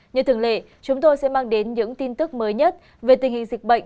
như thường lệ chúng tôi sẽ mang đến những tin tức mới nhất về tình hình dịch bệnh